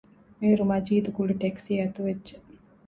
އޭރު މަޖީދު ގުޅި ޓެކްސީ އަތުވެއްޖެ